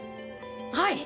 はい！